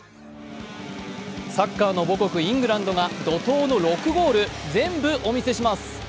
サッカーの母国・イングランドが怒とうの６ゴール、全部お見せします。